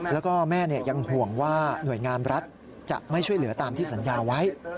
แล้วก็แม่ยังห่วงว่าหน่วยงานรัฐจะไม่ช่วยเหลือตามที่สัญญาไว้